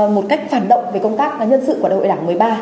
một cách phản động về công tác nhân sự của đại hội đảng một mươi ba